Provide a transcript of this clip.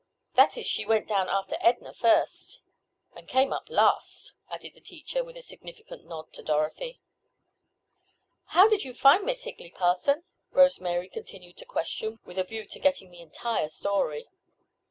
"That is she went down after Edna first." "And came up last," added the teacher, with a significant nod to Dorothy. "How did you find Miss Higley, Parson?" Rose Mary continued to question, with a view to getting the entire story.